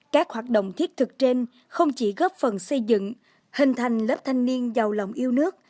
các hoạt động thiết thực trên không chỉ góp phần xây dựng hình thành lớp thanh niên giàu lòng yêu nước